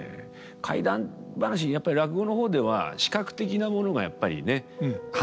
怪談噺やっぱり落語の方では視覚的なものがやっぱりね話だけですから。